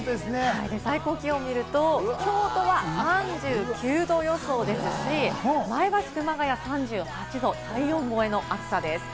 最高気温を見ると３９℃予想ですし、前橋・熊谷３８度、体温超えの暑さです。